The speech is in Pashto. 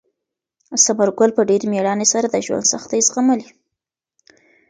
ثمر ګل په ډېرې مېړانې سره د ژوند سختۍ زغملې.